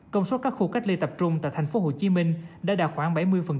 công suất các khu cách ly tập trung tại tp hcm đã đạt khoảng bảy mươi